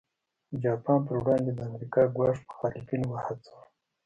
د جاپان پر وړاندې د امریکا ګواښ مخالفین وهڅول.